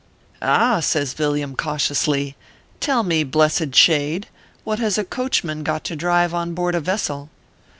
"Ah !" says Villiam, cautiously, " tell me, blessed shade, what has a coachman got to drive on board a vessel